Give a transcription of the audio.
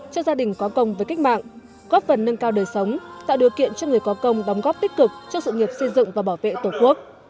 cho gia đình có công với cách mạng góp phần nâng cao đời sống tạo điều kiện cho người có công đóng góp tích cực cho sự nghiệp xây dựng và bảo vệ tổ quốc